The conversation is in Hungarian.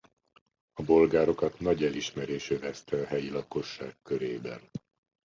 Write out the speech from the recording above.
A bolgárokat nagy elismerés övezte a helyi lakosság körében.